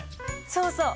そうそう！